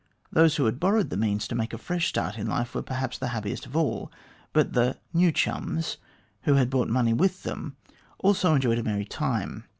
Those who had borrowed the means to make a fresh start in life were, perhaps, the happiest of all ; but the " new chums," who had brought money with them, also enjoyed a merry time.